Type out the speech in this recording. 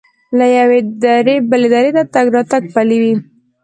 له یوې درې بلې درې ته تګ راتګ پلی وي.